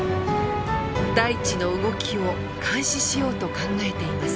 大地の動きを監視しようと考えています。